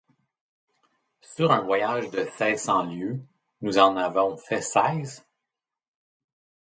Sur un voyage de seize cents lieues, nous en avons fait seize ?